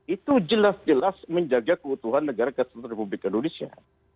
itu jelas jelas menjaga kebutuhan negara kesatuan republik indonesia